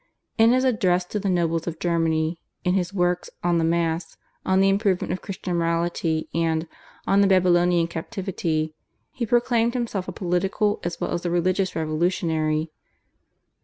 In his /Address to the Nobles of Germany/, in his works /On the Mass/, /On the Improvement of Christian Morality/, and /On the Babylonian Captivity/, he proclaimed himself a political as well as a religious revolutionary.